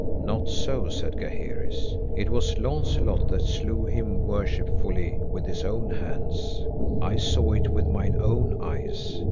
Not so, said Gaheris, it was Launcelot that slew him worshipfully with his own hands. I saw it with mine own eyes.